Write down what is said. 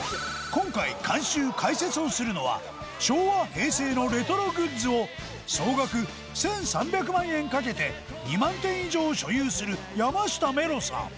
今回監修解説をするのは昭和平成のレトログッズを総額１３００万円かけて２万点以上所有する山下メロさん